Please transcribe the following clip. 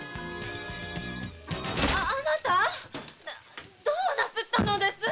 ああなた⁉どうなすったのです？